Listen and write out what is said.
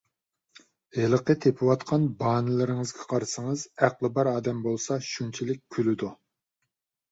ھېلىقى تېپىۋاتقان باھانىلىرىگە قارىسىڭىز، ئەقلى بار ئادەم بولسا شۇنچىلىك كۈلىدۇ.